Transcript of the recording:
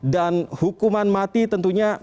dan hukuman mati tentunya